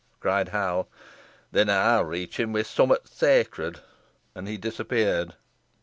cried Hal. "Then ey'n reach him wi' summot sacred." And he disappeared.